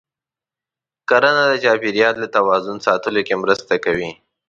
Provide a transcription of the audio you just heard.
کرنه د چاپېریال د توازن ساتلو کې مرسته کوي.